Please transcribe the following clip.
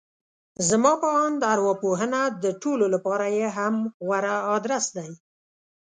زما په اند ارواپوهنه د ټولو لپاره يې هم غوره ادرس دی.